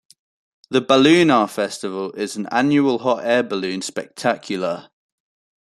The Ballunar Festival is an annual hot-air balloon spectacular.